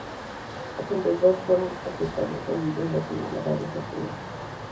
A su alrededor fueron asentándose viviendas de manera desordenada.